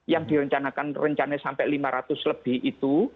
yang direncanakan rencana sampai lima ratus lebih itu